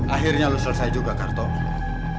akhirnya lu selesai juga kartonya